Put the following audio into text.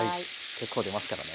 結構出ますからね。